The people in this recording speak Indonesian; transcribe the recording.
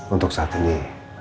untuk saat ini